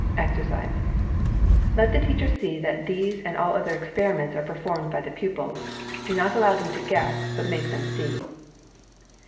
=EXERCISE= Let the teacher see that these and all other experiments are performed by the pupils. Do not allow them to guess, but make them see.